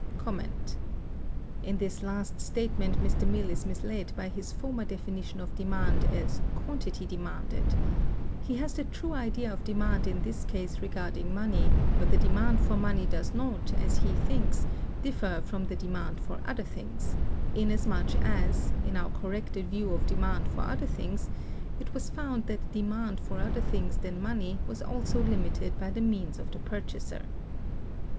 In this last statement Mr. Mill is misled by his former definition of demand as "quantity demanded." He has the true idea of demand in this case regarding money; but the demand for money does not, as he thinks, differ from the demand for other things, inasmuch as, in our corrected view of demand for other things (p. 255), it was found that the demand for other things than money was also limited by the means of the purchaser.